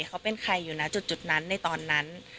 เขาเป็นใครอยู่นะจุดนั้นในตอนนั้น